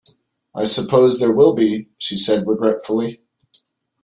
"I suppose there will be," she said regretfully.